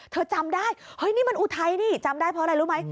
เธอจำได้นี่มันอุไทยนี่จำได้เพราะอะไรรู้ไหม